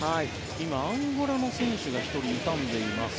アンゴラの選手が１人痛がっています。